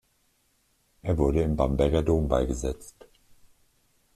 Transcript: Er wurde im Bamberger Dom beigesetzt.